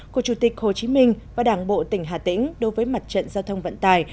của chủ tịch hồ chí minh và đảng bộ tỉnh hà tĩnh đối với mặt trận giao thông vận tài